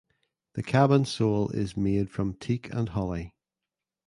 The cabin sole is made from teak and holly.